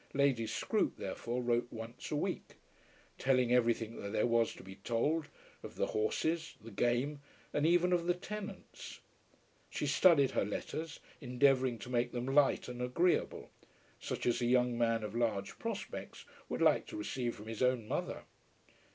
Lady Scroope therefore wrote once a week, telling everything that there was to be told of the horses, the game, and even of the tenants. She studied her letters, endeavouring to make them light and agreeable, such as a young man of large prospects would like to receive from his own mother.